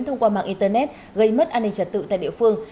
thông qua mạng internet gây mất an ninh trật tự tại địa phương